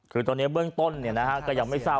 คือตอนนี้เบื้องต้นก็ยังไม่ทราบ